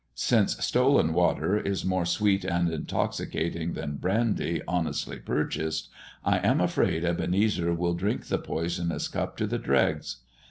Since stolen water is more sweet and intoxicating than brandy honestly purchased, I am afraid Ebenezer will drink the poisonous cup to the dregs.